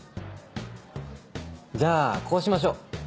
じゃあこうしましょう。